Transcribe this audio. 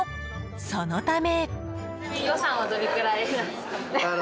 そのため。